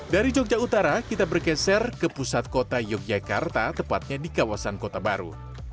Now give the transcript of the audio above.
dari jogja utara kita bergeser ke pusat kota yogyakarta tepatnya di kawasan kota baru